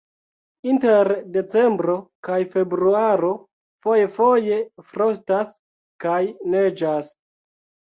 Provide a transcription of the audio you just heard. Inter decembro kaj februaro foje-foje frostas kaj neĝas.